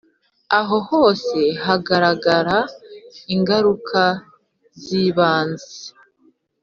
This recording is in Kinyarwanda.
aho hose hagaragara ingaruka zibanze